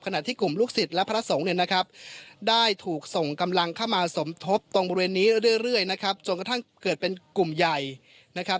ที่กลุ่มลูกศิษย์และพระสงฆ์เนี่ยนะครับได้ถูกส่งกำลังเข้ามาสมทบตรงบริเวณนี้เรื่อยนะครับจนกระทั่งเกิดเป็นกลุ่มใหญ่นะครับ